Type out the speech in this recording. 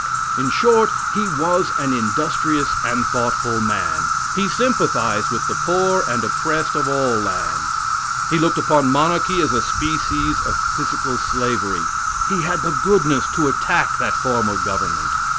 In short, he was an industrious and thoughtful man. He sympathized with the poor and oppressed of all lands. He looked upon monarchy as a species of physical slavery. He had the goodness to attack that form of government.